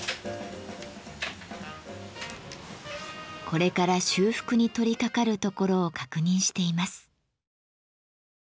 これから修復に取りかかるところを確認しています。